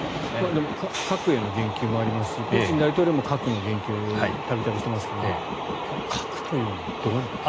でも核への言及もありますしプーチン大統領も核の言及を度々していますが核というのはどうなんですか。